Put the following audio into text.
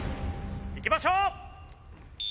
いきましょう。